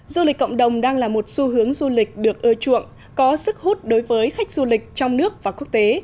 du lịch cộng đồng đang là một xu hướng du lịch được ưa chuộng có sức hút đối với khách du lịch trong nước và quốc tế